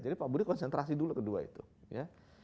jadi pak budi konsentrasi dulu kedua itu ya